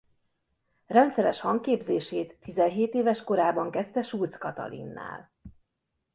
Rendszeres hangképzését tizenhét éves korában kezdte Schultz Katalinnál.